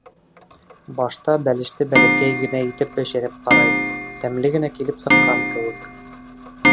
Башта бәлеште бәләкәй генә итеп бешереп ҡарай, тәмле генә килеп сыҡҡан кеүек.